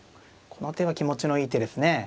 この手は気持ちのいい手ですね。